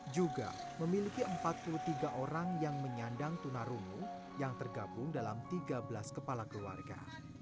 juga memiliki empat puluh tiga orang yang menyandang tunarungu yang tergabung dalam tiga belas kepala keluarga